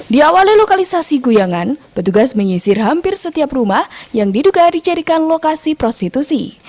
di awal lokalisasi guyangan petugas menyisir hampir setiap rumah yang diduga dicerikan lokasi prostitusi